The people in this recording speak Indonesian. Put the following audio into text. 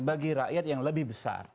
bagi rakyat yang lebih besar